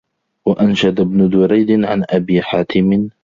وَأَنْشَدَ ابْنُ دُرَيْدٍ عَنْ أَبِي حَاتِمٍ